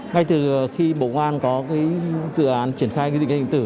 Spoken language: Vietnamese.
ngay từ khi bộ công an có dự án triển khai định danh điện tử